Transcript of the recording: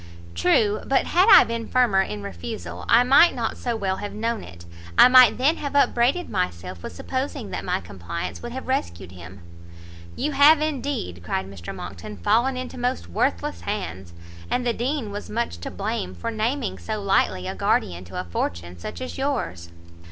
"True; but had I been firmer in refusal, I might not so well have known it; I might then have upbraided myself with supposing that my compliance would have rescued him." "You have indeed," cried Mr Monckton, "fallen into most worthless hands, and the Dean was much to blame for naming so lightly a guardian to a fortune such as yours."